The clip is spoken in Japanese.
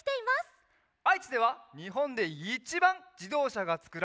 あいちではにほんでいちばんじどうしゃがつくられているよ。